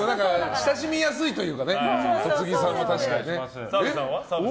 親しみやすいというかね戸次さんは、確かにね。澤部さんは？